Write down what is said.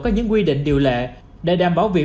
có những quy định điều lệ để đảm bảo việc